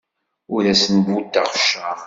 Ur asen-buddeɣ cceṛ.